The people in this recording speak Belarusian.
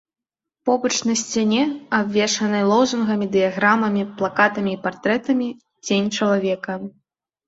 Побач на сцяне, абвешанай лозунгамі, дыяграмамі, плакатамі і партрэтамі, цень чалавека.